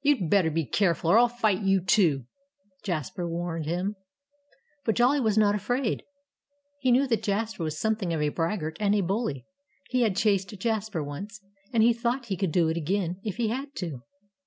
"You'd better be careful, or I'll fight you, too!" Jasper warned him. But Jolly was not afraid. He knew that Jasper was something of a braggart and a bully. He had chased Jasper once. And he thought he could do it again, if he had to.